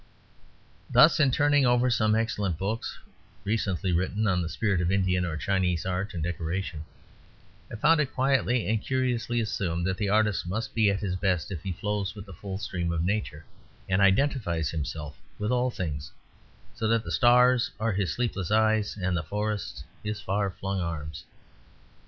Thus, in turning over some excellent books recently written on the spirit of Indian or Chinese art and decoration, I found it quietly and curiously assumed that the artist must be at his best if he flows with the full stream of Nature; and identifies himself with all things; so that the stars are his sleepless eyes and the forests his far flung arms.